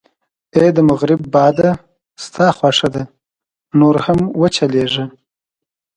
اې د مغرب باده، ستا خوښه ده، نور هم و چلېږه.